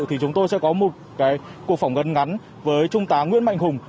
thì chúng tôi sẽ có một cuộc phỏng vấn ngắn với trung tá nguyễn mạnh hùng